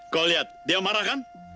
kau lihat dia marah kan